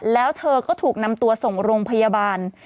แล้วเธอก็ถูกนำตัวส่งโรงพยาบาล